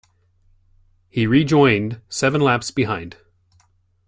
He rejoined seven laps behind.